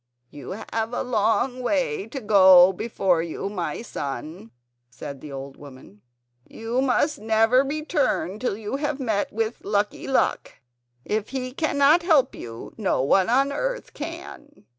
"You have a long way before you, my son," said the old woman; "you must never return till you have met with Lucky Luck. If he cannot help you no one on earth can."